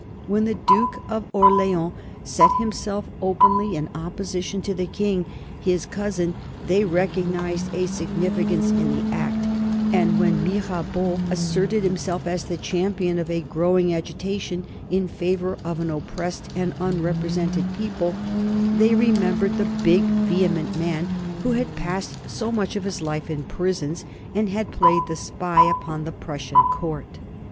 When the Duke of Orleans set himself openly in opposition to the King, his cousin, they recognized a significance in the act, and when Mirabeau asserted himself as the champion of a growing agitation in favor of an oppressed and unrepresented people they remembered the big, vehement man who had passed so much of his life in prisons and had played the spy upon the Prussian Court.